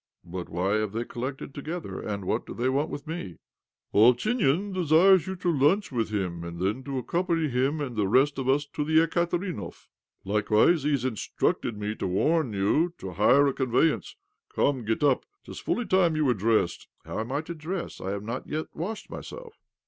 "But why have they collected together? And what do they want with me ?"" Ovchinin desires you to lunch with him, and then to accompany him and the rest of us to the Ekaterinhov. Likewise he has instructed me to warn you to hire a conveyance. Come, get up ! 'Tis fully time you were dressed." " How am I to dress ? I have not yet washed myself."